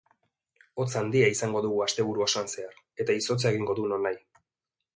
Hotz handia izango dugu asteburu osoan zehar, eta izotza egingo du nonahi.